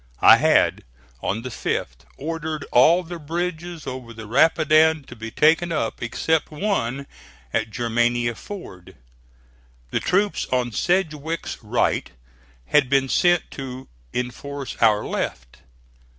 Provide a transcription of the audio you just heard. I had, on the 5th, ordered all the bridges over the Rapidan to be taken up except one at Germania Ford. The troops on Sedgwick's right had been sent to enforce our left.